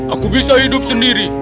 aku bisa hidup sendiri